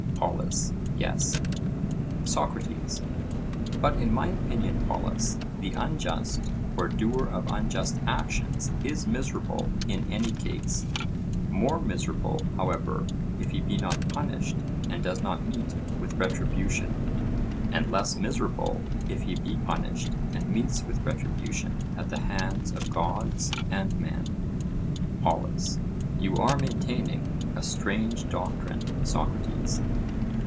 POLUS: Yes. SOCRATES: But in my opinion, Polus, the unjust or doer of unjust actions is miserable in any case,—more miserable, however, if he be not punished and does not meet with retribution, and less miserable if he be punished and meets with retribution at the hands of gods and men. POLUS: You are maintaining a strange doctrine, Socrates.